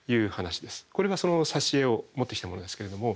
これはその挿絵を持ってきたものですけれども。